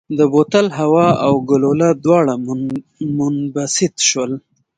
د بوتل هوا او ګلوله دواړه منبسط شول.